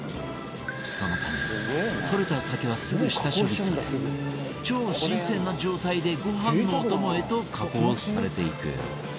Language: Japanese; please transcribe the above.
そのためとれた鮭はすぐ下処理され超新鮮な状態でご飯のお供へと加工されていく